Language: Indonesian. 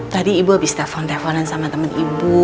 tadi ibu abis telepon teleponan sama temen ibu